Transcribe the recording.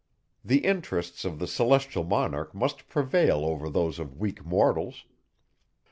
The interests of the celestial monarch must prevail over those of weak mortals.